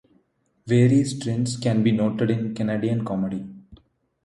Various trends can be noted in Canadian comedy.